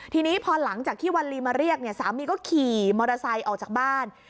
ทีนี้พอหลังจากที่วันลีมาเรียกเนี่ยสามีก็ขี่มอเตอร์ไซค์ออกจากบ้าน